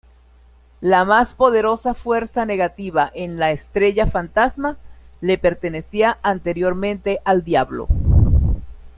La más poderosa fuerza negativa en la Estrella Fantasma, le pertenecía anteriormente al diablo.